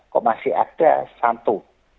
kok masih ada satu